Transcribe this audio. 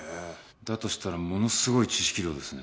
だとしたらものすごい知識量ですね。